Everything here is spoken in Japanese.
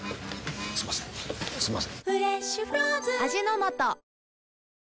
すみませんすみません。